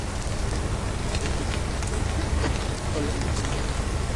গেল পরশু এফডিসির জহির রায়হার কালার ল্যাব মিলনায়তনে ছিল ছবিটির মহরত।